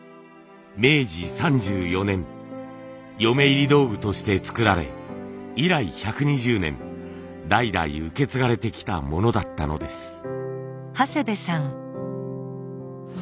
明治３４年嫁入り道具として作られ以来１２０年代々受け継がれてきたものだったのです。